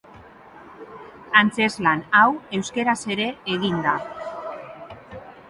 Antzezlan hau euskaraz ere egin da.